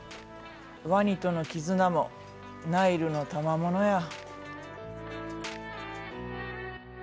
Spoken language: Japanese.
ワニとの絆もナイルのたまものや。